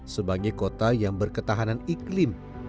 sebagai kota yang berketahanan iklim